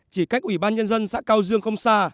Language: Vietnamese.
chỉ cách ủy ban nhân dân xã cao dương không xa